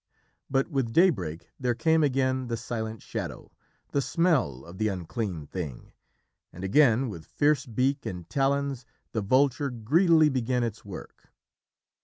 But with daybreak there came again the silent shadow, the smell of the unclean thing, and again with fierce beak and talons the vulture greedily began its work.